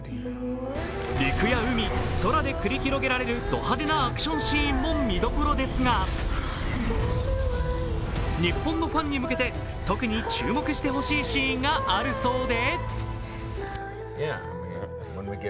陸や海、空で繰り広げられるド派手なアクションシーンも見どころですが、日本のファンに向けて特に注目してほしいシーンがあるそうで。